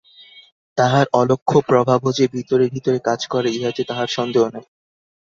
তাঁহার অলক্ষ্য প্রভাবও যে ভিতরে ভিতরে কাজ করে ইহাতে তাঁহার সন্দেহ নাই।